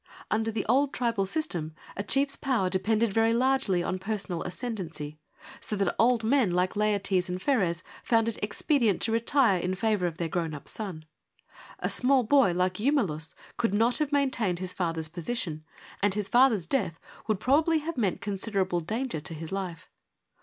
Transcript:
Under the old tribal system, a chief s power depended very largely on personal ascendency, so that old men like Laertes and Pheres found it ex pedient to retire in favour of their grown up son. A small boy like Eumelus could not have maintained his father's position, and his father's death would probably have meant considerable danger to his life.